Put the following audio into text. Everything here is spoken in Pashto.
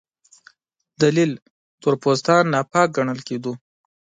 دلیل: تور پوستان ناپاک ګڼل کېدل.